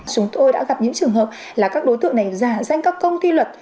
chúng tôi đã gặp những trường hợp là các đối tượng này giả danh các công ty luật